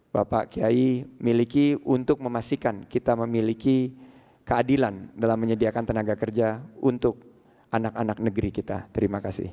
bapak kiai miliki untuk memastikan kita memiliki keadilan dalam menyediakan tenaga kerja untuk anak anak negeri kita terima kasih